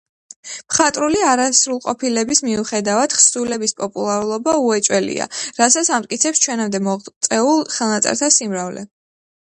მხატვრული არასრულყოფილების მიუხედავად, თხზულების პოპულარობა უეჭველია, რასაც ამტკიცებს ჩვენამდე მოღწეულ ხელნაწერთა სიმრავლე.